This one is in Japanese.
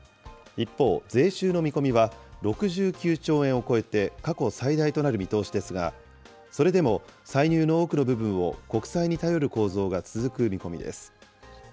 一方、税収の見込みは６９兆円を超えて、過去最大となる見通しですが、それでも歳入の多くの部分を国債に頼る構造が続く見込みです。